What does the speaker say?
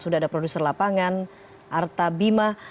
sudah ada produser lapangan arta bima